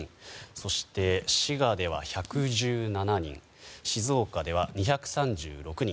そして、滋賀では１１７人静岡では２３６人